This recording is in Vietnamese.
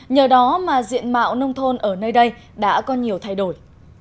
nhờ đó mà diện mạo nông thôn ở nơi đây đã có nhiều thay đổi